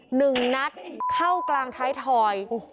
หนึ่งนักเข้ากลางไททอยด์